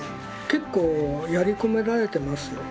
結構やり込められてますよ。